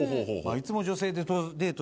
いつも女性デート